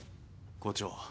校長